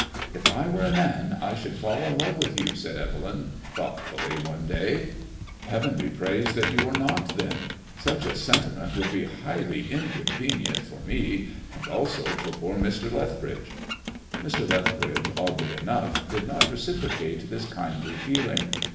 If I were a man I should fall in love with you," said Evelyn, thoughtfully, one day. '^ Heaven be praised that you are not, then. Such a sentiment would be highly inconvenient for 49 MADBMOISBLLB IXK. me, and also for poor Mr. Leth bridge." Mr. Lethbrid^e, oddly enough, did not reciprocate this kindly feeling.